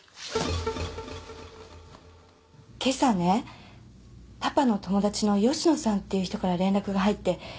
けさねパパの友達の吉野さんっていう人から連絡が入って今から会うの。